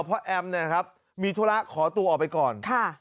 เพราะแอมเนี่ยนะครับมีธุระขอตัวออกไปก่อน